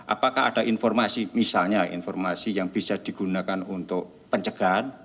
apakah ada informasi misalnya informasi yang bisa digunakan untuk pencegahan